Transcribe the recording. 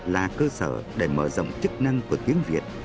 là cơ sở để mở rộng chức năng của tiếng việt